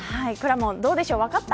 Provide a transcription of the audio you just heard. もんどうでしょう分かった。